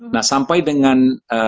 nah sampai dengan